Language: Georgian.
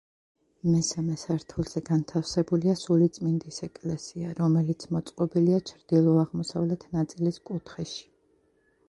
მესამე სართულზე განთავსებულია სულიწმინდის ეკლესია, რომელიც მოწყობილია ჩრდილო-აღმოსავლეთ ნაწილის კუთხეში.